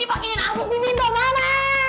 ih pakein aku si minto mama